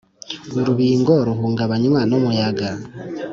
Urubingo ruhungabanywa n umuyaga